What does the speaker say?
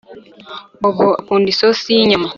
Bobo akunda isosi yinyama